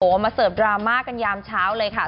มาเสิร์ฟดราม่ากันยามเช้าเลยค่ะ